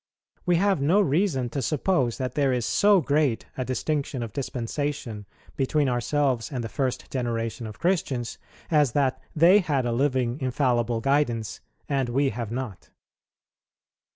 We have no reason to suppose that there is so great a distinction of dispensation between ourselves and the first generation of Christians, as that they had a living infallible guidance, and we have not.